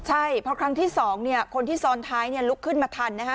ใช่เพราะครั้งที่๒เนี่ยคนที่ซ้อนท้ายลุกขึ้นมาทันนะฮะ